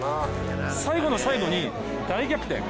最後の最後に大逆転。